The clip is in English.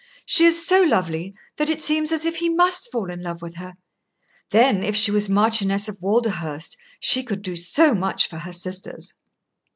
She is so lovely that it seems as if he must fall in love with her. Then, if she was Marchioness of Walderhurst, she could do so much for her sisters."